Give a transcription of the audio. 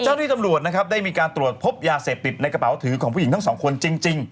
ที่ตำรวจนะครับได้มีการตรวจพบยาเสพติดในกระเป๋าถือของผู้หญิงทั้งสองคนจริง